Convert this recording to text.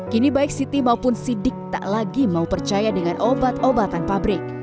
kini baik siti maupun sidik tak lagi mau percaya dengan obat obatan pabrik